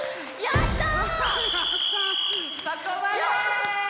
やった！